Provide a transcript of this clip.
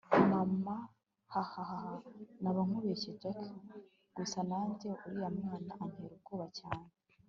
mama hahaha! naba nkubeshye jack! gusa nanjye uriya mwana antera ubwoba cyane